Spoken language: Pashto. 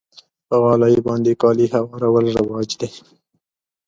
په غالۍ باندې کالي هوارول رواج دی.